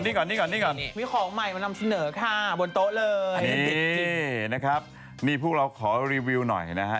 นี่นะครับพวกเราขอรีวิวหน่อยนะฮะ